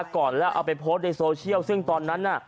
ก่อนแล้วเอาไปโพสต์ในโซเชียลซึ่งตอนนั้นน่ะ